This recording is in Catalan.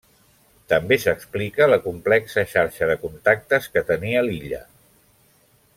També s'explica la complexa xarxa de contactes que tenia l'illa.